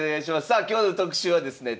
さあ今日の特集はですね